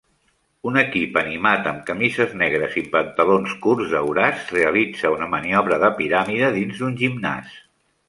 Un equip animat amb camises negres i pantalons curts daurats realitza una maniobra de piràmide dins d'un gimnàs.